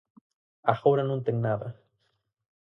Agora non ten nada.